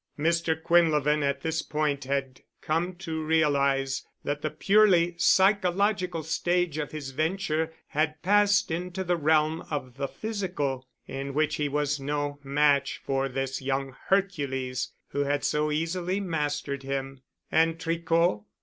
Mr. Quinlevin at this point had come to realize that the purely psychological stage of his venture had passed into the realm of the physical, in which he was no match for this young Hercules who had so easily mastered him. And Tricot...?